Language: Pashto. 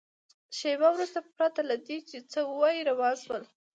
شېبه وروسته پرته له دې چې څه ووایي روان شول.